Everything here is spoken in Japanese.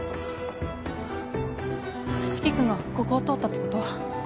四鬼君がここを通ったってこと？